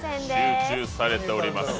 集中されております。